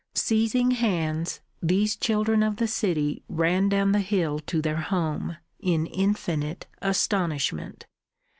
Seizing hands, these children of the city ran down the hill to their home, in infinite astonishment.